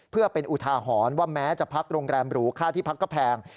เพื่อเป็นอุทาหรณ์ว่าแม้จะพักโรงแรมหรูค่าที่พักก็แพง